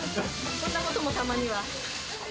こんなこともたまには。